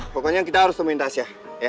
pokoknya kita harus temuin tasnya